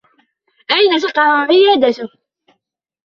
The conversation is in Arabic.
أين تقع عيادته ؟